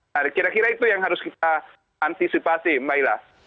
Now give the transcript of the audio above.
nah kira kira itu yang harus kita antisipasi mbak ila